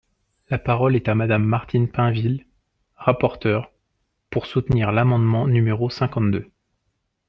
La parole est à Madame Martine Pinville, rapporteure, pour soutenir l’amendement numéro cinquante-deux.